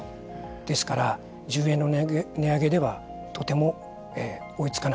ですから、１０円の値上げではとても追いつかない。